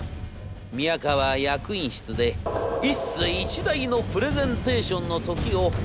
宮河役員室で一世一代のプレゼンテーションの時を迎えたのであります。